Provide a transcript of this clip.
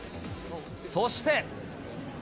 そして。